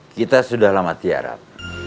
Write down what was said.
kita sudah lama tiarap